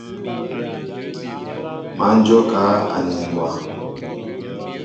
Má njókíá anin mbwa.